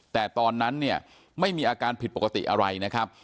แต่ตอนนั้นเนี่ยไม่มีอาการผิดปกติอะไรนะครับ